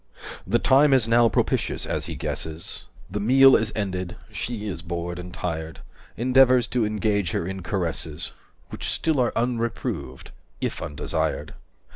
The time is now propitious, as he guesses, 235 The meal is ended, she is bored and tired, Endeavours to engage her in caresses Which still are unreproved, if undesired.